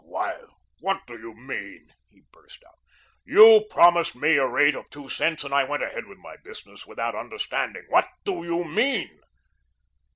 "Why, what do you mean?" he burst out. "You promised me a rate of two cents and I went ahead with my business with that understanding. What do you mean?"